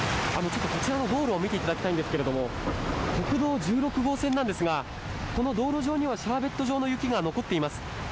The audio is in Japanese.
こちらの道路を見ていただきたいんですが国道１６号線なんですが道路上にはシャーベット状の雪が残っています。